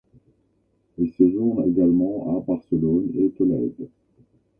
Il séjourne également à Barcelone et Tolède.